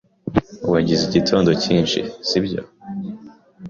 Wagize igitondo cyinshi, sibyo?